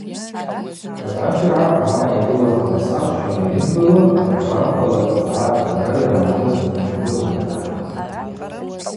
Кӏатӏащыргӏа ауаъа йгылаз ауасахча йнайыдгылын ахабарквала йцӏгӏатӏ дара йырмагӏныз йдмырдыруата.